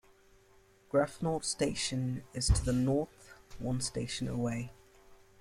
Grafenort station is to the north, one station away.